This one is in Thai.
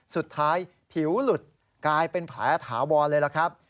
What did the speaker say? สุดท้ายผิวหลุดกลายเป็นแผลถาวรเลยล่ะครับ